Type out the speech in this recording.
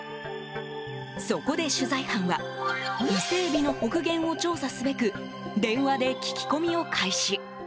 そこで取材班はイセエビの北限を調査すべく電話で聞き込みを開始。